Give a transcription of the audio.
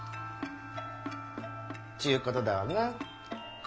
ちゅうことだわな。